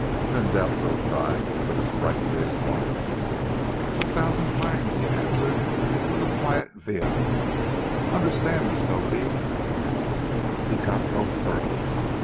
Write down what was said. "Then thou wilt die for this bright faced woman?" "A thousand times!" he answered with quiet vehemence. "Understand, Miskodeed " He got no further.